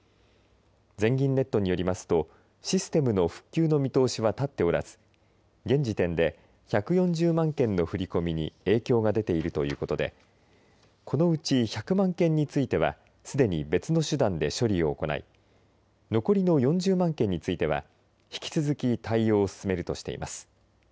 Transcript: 全銀ネットによりますとシステムの復旧の見通しは立っておらず現時点で１４０万件の振り込みに影響が出ているということでこのうち１００万件についてはすでに別の手段で処理を行い残りの４０万件については引き続き対応を進めるとしています。